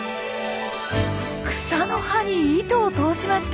草の葉に糸を通しました！